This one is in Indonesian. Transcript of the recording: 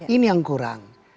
ini yang kurang